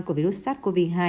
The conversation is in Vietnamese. của virus sars cov hai